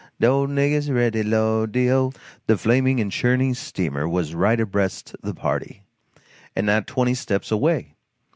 De ole niggah's ready, Lord, de ole " The flaming and churning steamer was right abreast the party, and not twenty steps away.